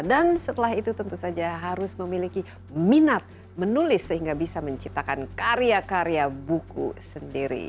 dan setelah itu tentu saja harus memiliki minat menulis sehingga bisa menciptakan karya karya buku sendiri